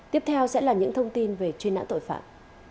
tiếp theo sẽ là những thông tin về truy nã tội phạm